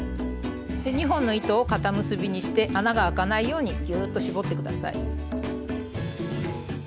２本の糸を固結びにして穴があかないようにぎゅっと絞って下さい。